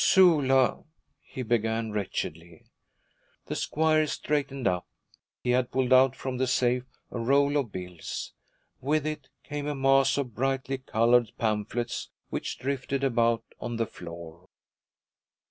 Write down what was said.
'Sula,' he began wretchedly. The squire straightened up. He had pulled out from the safe a roll of bills. With it came a mass of brightly colored pamphlets which drifted about on the floor.